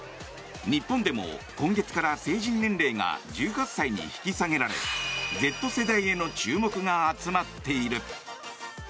日本でも今月から成人年齢が１８歳に引き下げられＺ世代への注目が集まっている。